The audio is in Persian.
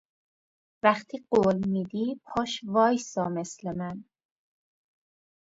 وقتی قول میدی پاش وایسا مثل من